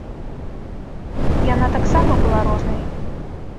Яна таксама была рознай.